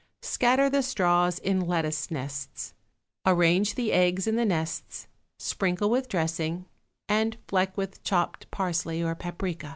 Scatter the straws in lettuce nests, arrange the eggs in the nests, sprinkle with dressing, and fleck with chopped parsley or paprica.